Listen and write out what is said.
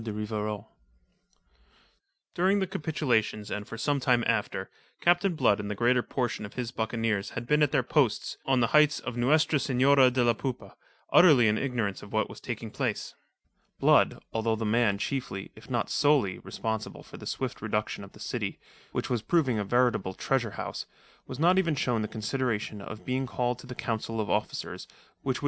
DE RIVAROL During the capitulation and for some time after, Captain Blood and the greater portion of his buccaneers had been at their post on the heights of Nuestra Senora de la Poupa, utterly in ignorance of what was taking place. Blood, although the man chiefly, if not solely, responsible for the swift reduction of the city, which was proving a veritable treasure house, was not even shown the consideration of being called to the council of officers which with M.